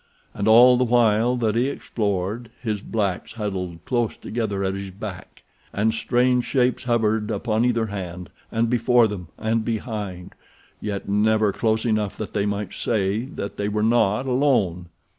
And all the while that he explored, his blacks huddled close together at his back, and strange shapes hovered upon either hand and before them and behind, yet never close enough that any might say that they were not alone.